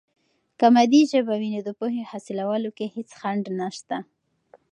که مادي ژبه وي، نو د پوهې حاصلولو کې هیڅ خنډ نسته.